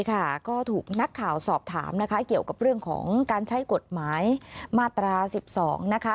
ก็ถูกนักข่าวสอบถามนะคะเกี่ยวกับเรื่องของการใช้กฎหมายมาตรา๑๒นะคะ